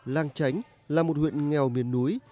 làng chánh là một huyện nghèo miền núi